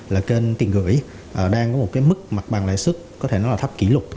là kênh tiền gửi đang có một cái mức mặt bằng lãi suất có thể nói là thấp kỷ lục